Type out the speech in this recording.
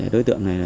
đối tượng này